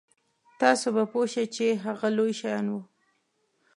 تاسو به پوه شئ چې هغه لوی شیان وو.